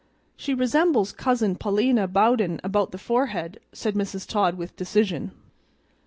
"She resembles Cousin Pa'lina Bowden about the forehead," said Mrs. Todd with decision.